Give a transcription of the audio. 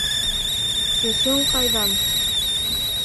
Көсөң ҡайҙан?